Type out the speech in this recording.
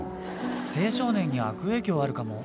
青少年に悪影響あるかも。